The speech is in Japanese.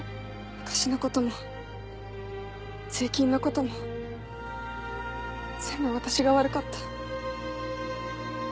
昔のことも税金のことも全部私が悪かった。